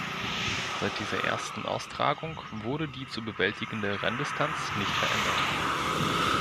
Seit dieser ersten Austragung wurde die zu bewältigende Renndistanz nicht verändert.